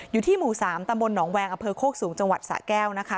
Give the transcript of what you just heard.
อยู่ที่หมู่๓ตำบลหนองแวงอำเภอโคกสูงจังหวัดสะแก้วนะคะ